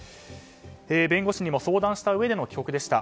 弁護士にも相談したうえでの帰国でした。